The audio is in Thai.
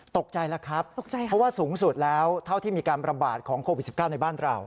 ตกใจแล้วครับเพราะว่าสูงสุดแล้วเท่าที่มีการประบาดของโควิด๑๙ในบ้านเรา